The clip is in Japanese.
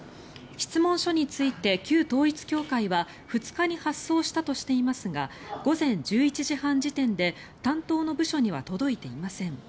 質問書について旧統一教会は２日に発送したとしていますが午前１１時半時点で担当の部署には届いていません。